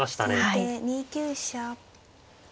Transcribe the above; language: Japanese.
先手２九飛車。